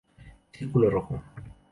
Círculo Rojo.